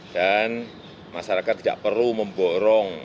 masyarakat tidak perlu memborong